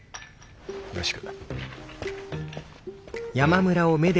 よろしく。